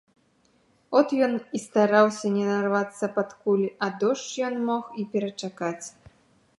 От ён і стараўся не нарвацца пад кулі, а дождж ён мог і перачакаць.